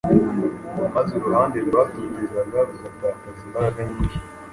maze uruhande rwatotezaga rugatakaza imbaraga nyinshi.